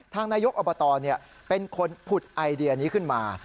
นายกอบตเป็นคนผุดไอเดียนี้ขึ้นมา